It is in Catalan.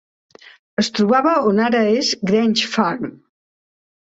Es trobava on ara és Grange Farm.